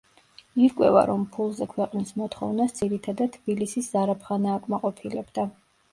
ირკვევა, რომ ფულზე ქვეყნის მოთხოვნას ძირითადად თბილისის ზარაფხანა აკმაყოფილებდა.